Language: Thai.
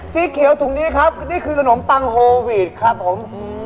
สีเขียวถุงนี้ครับนี่คือขนมปังโฮวีดครับผม